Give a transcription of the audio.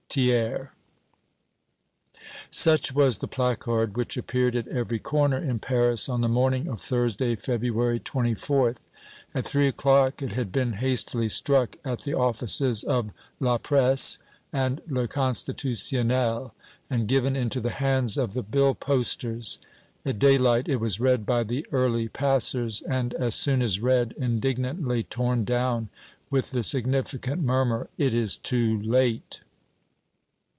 THIERS." Such was the placard which appeared at every corner in Paris on the morning of Thursday, February 24th. At three o'clock it had been hastily struck at the offices of "La Presse" and "Le Constitutionnel," and given into the hands of the bill posters. At daylight it was read by the early passers, and, as soon as read, indignantly torn down with the significant murmur, "It is too late!"